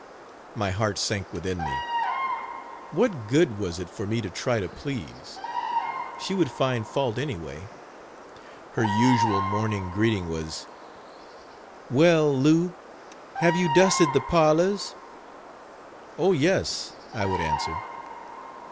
My heart sank within me. What good was it for me to try to please? She would find fault anyway. Her usual morning greeting was: "Well, Lou, have you dusted the parlors?" "Oh, yes," I would answer.